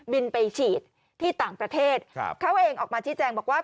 บินไปฉีดที่ต่างประเทศครับเขาเองออกมาชี้แจงบอกว่า